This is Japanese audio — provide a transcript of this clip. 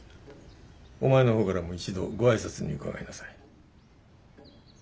お前の方からも一度ご挨拶に伺いなさい。